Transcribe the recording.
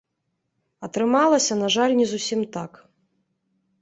Атрымалася, на жаль, не зусім так.